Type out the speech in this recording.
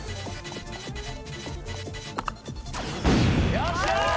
よっしゃ！